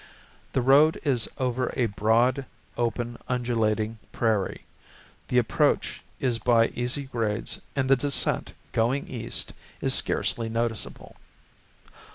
The road is over a broad, open, undulating prairie, the approach is by easy grades, and the descent, going east, is scarcely noticeable.